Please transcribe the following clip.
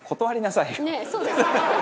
ねえそうですよね。